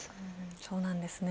そうなんですね。